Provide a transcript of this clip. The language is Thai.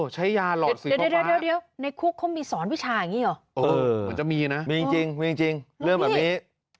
ใช้ยาหลอดสิเดี๋ยวในคุกเขามีสอนวิชาอย่างนี้หรอเหมือนจะมีนะมีจริงมีจริงเรื่องแบบนี้